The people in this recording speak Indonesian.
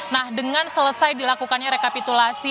nah dengan selesai dilakukannya rekapitulasi